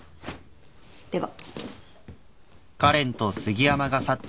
では。